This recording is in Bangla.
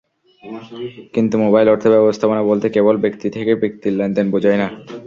কিন্তু মোবাইল অর্থ–ব্যবস্থাপনা বলতে কেবল ব্যক্তি থেকে ব্যক্তির লেনদেন বোঝায় না।